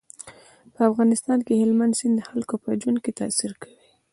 په افغانستان کې هلمند سیند د خلکو په ژوند تاثیر کوي.